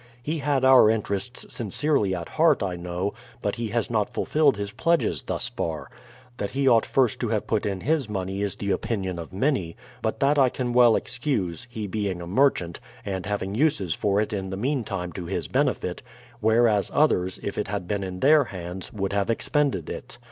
He had our interests sincerely at heart, I know; but he has not fulfilled his pledges thus far. That he ought first to have put in his money is the opinion of many; but that I can well excuse, he being a merchant, and having uses for it in the mean time to his benefit; whereas, others, if it had been in their hands, would have expended it.